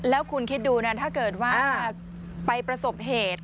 แล้วคุณคิดดูนะถ้าเกิดว่าไปประสบเหตุ